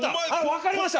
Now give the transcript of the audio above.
分かりました！